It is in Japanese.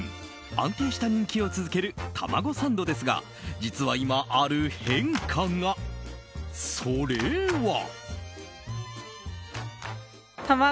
安定した人気を続けるたまごサンドですが実は今、ある変化が。それは。